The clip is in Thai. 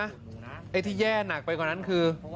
ไอ้ที่แย่หนักไปกว่านั้นคือ